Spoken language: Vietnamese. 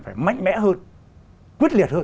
phải mạnh mẽ hơn quyết liệt hơn